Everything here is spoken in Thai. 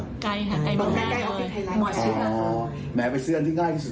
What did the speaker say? ไกลค่ะไกลทั้งผู้ใจอีกอย่างเลยนะคะไม่มีใครไล่ขึ้น